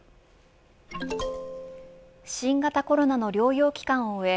新型コロナの療養期間を終え